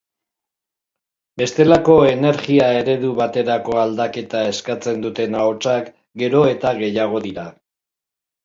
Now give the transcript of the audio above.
Bestelako energia-eredu baterako aldaketa eskatzen duten ahotsak gero eta gehiago dira.